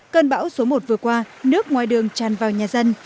cơn bão số một vừa qua nước ngoài đường tràn vào nhà dân